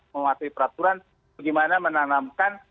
mematuhi peraturan bagaimana menanamkan